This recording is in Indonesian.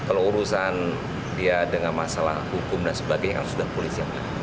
kalau urusan dia dengan masalah hukum dan sebagainya kan sudah polisi yang ada